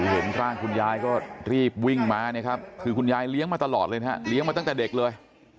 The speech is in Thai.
เห็นร่างคุณยายก็รีบวิ่งมาเนี่ยครับคือคุณยายเลี้ยงมาตลอดเลยนะฮะเลี้ยงมาตั้งแต่เด็กเลย